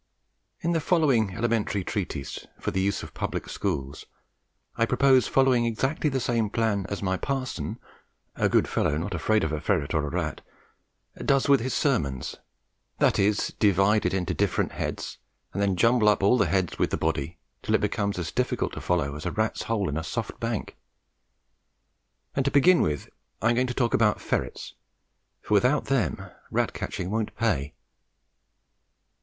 In the following elementary treatise for the use of public schools, I propose following exactly the same plan as my parson (a good fellow not afraid of a ferret or a rat) does with his sermons that is, divide it into different heads, and then jumble up all the heads with the body, till it becomes as difficult to follow as a rat's hole in a soft bank; and, to begin with, I am going to talk about ferrets, for without them rat catching won't pay.